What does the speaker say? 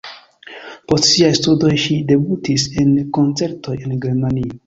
Post siaj studoj ŝi debutis en koncertoj en Germanio.